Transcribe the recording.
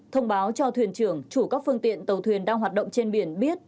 thông báo cho thuyền trưởng chủ các phương tiện tàu thuyền đang hoạt động trên biển biết